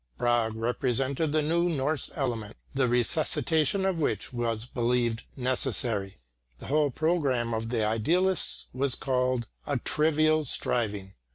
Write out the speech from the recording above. Brage represented the new Norse element, the resuscitation of which was believed necessary. The whole programme of the idealists was called "a trivial striving."